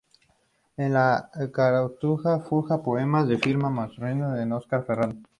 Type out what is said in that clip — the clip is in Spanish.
En la carátula figura un poema sin firma manuscrito por Óscar Ferrando.